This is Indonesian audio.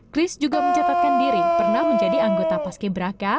chris juga mencatatkan diri pernah menjadi anggota paski braka